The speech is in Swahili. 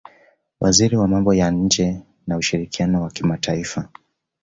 waziri wa mambo ya nje na ushirikiano wa kimataifa